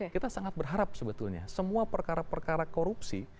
kita sangat berharap sebetulnya semua perkara perkara korupsi